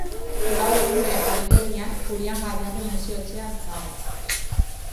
Gaur egun bere jaioterrian Julian Gaiarre museo-etxea dago.